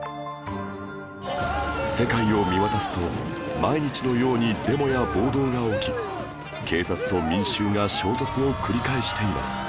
世界を見渡すと毎日のようにデモや暴動が起き警察と民衆が衝突を繰り返しています